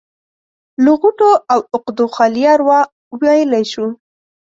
له غوټو او عقدو خالي اروا ويلی شو.